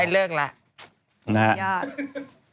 ได้เริ่งแล้ว